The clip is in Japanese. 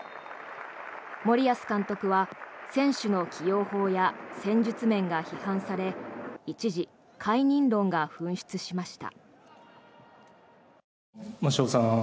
森保監督は選手の起用法や戦術面が批判され一時、解任論が噴出しました。